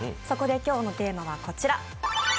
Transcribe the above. そこで今日のテーマはこちら。